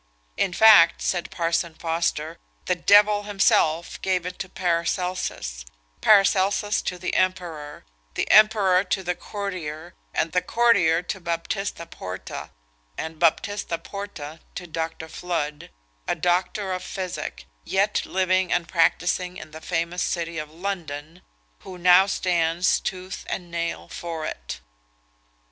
"In fact," said Parson Foster, "the Devil himself gave it to Paracelsus; Paracelsus to the emperor; the emperor to the courtier; the courtier to Baptista Porta; and Baptista Porta to Dr. Fludd, a doctor of physic, yet living and practising in the famous city of London, who now stands tooth and nail for it."